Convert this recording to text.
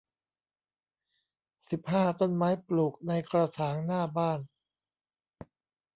สิบห้า ต้นไม้ปลูกในกระถางหน้าบ้าน